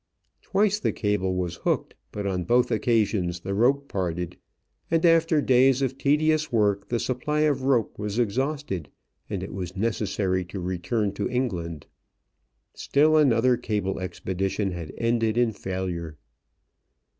Twice the cable was hooked, but on both occasions the rope parted and after days of tedious work the supply of rope was exhausted and it was necessary to return to England. Still another cable expedition had ended in failure.